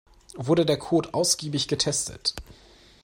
Wurde der Code ausgiebig getestet?